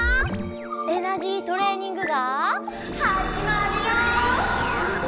エナジートレーニングがはじまるよ！